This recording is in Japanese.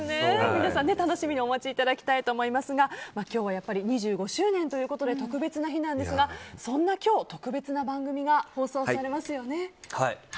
皆さん楽しみにお待ちいただきたいと思いますが今日は２５周年で特別な日なんですがそんな今日特別な番組が放送されますよね。